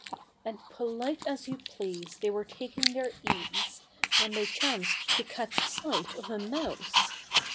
And polite as you please they were taking their ease When they chanced to catch sight of a mouse.